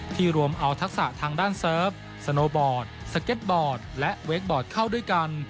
รวมเอาทักษะทางด้านเซิร์ฟสโนบอร์ดสเก็ตบอร์ดและเวคบอร์ดเข้าด้วยกัน